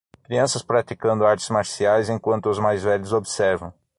Crianças praticando artes marciais enquanto os mais velhos observam.